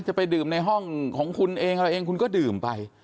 จะไปดื่มในห้องของคุณเองอะไรเองคุณก็ดื่มไป